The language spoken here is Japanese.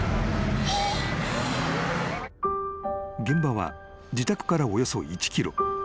［現場は自宅からおよそ１ｋｍ］